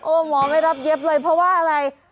หมอไม่รับเย็บเลยเพราะว่าอะไร